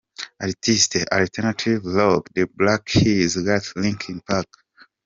Artist, alternative rock: The Black Keys, Gotye, Linkin Park.